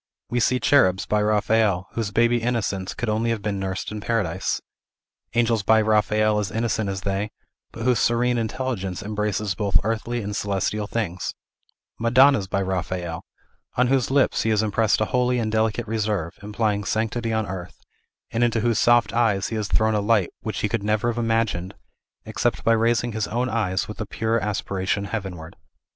We see cherubs by Raphael, whose baby innocence could only have been nursed in paradise; angels by Raphael as innocent as they, but whose serene intelligence embraces both earthly and celestial things; madonnas by Raphael, on whose lips he has impressed a holy and delicate reserve, implying sanctity on earth, and into whose soft eyes he has thrown a light which he never could have imagined except by raising his own eyes with a pure aspiration heavenward.